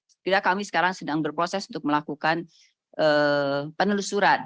setelah kami sekarang sedang berproses untuk melakukan penelusuran